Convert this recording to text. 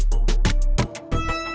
kamu benar juga lid